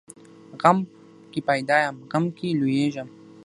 غم کې پیدا یم، غم کې لویېږم.